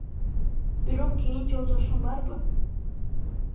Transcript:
Бирок кийин Жолдошуң барбы?